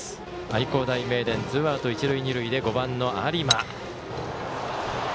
愛工大名電ツーアウト、一塁、二塁で５番の有馬。